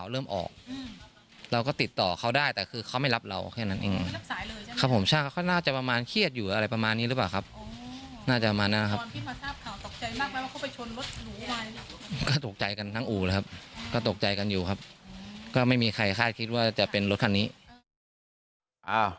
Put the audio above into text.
เอาเป็นว่าเจ้าของรถกระบะคันนี้นะทางอู่เขาบอกเขายังไม่ซ่อมนะ